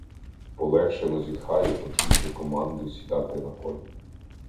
Полегшено зітхаю, почувши команду сідати на коні.